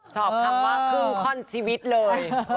สอบคำว่าครึ่งข้อนชีวิตเลย